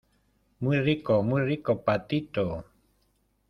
muy rico, muy rico , patito.